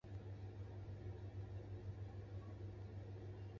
卢森堡的信史开始于在中世纪卢森堡城堡的修建完成。